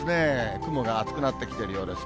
雲が厚くなってきてるようです。